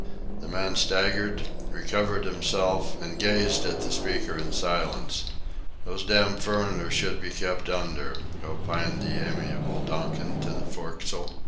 The man staggered, recovered himself, and gazed at the speaker in silence. "Those damned furriners should be kept under," opined the amiable Donkin to the forecastle.